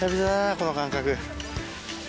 この感覚。